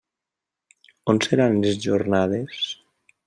On seran les jornades?